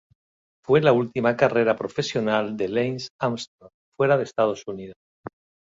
Fue la última carrera profesional de Lance Armstrong fuera de Estados Unidos.